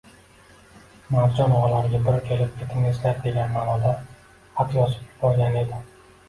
Marjon og‘alariga bir kelib ketingizlar degan ma’noda xat yozib yuborgan edi